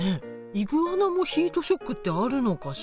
イグアナもヒートショックってあるのかしら？